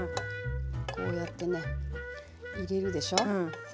こうやってね入れるでしょ。